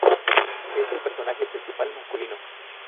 Es el personaje principal masculino.